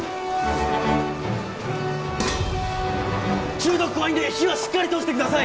中毒怖いんで火はしっかり通してください！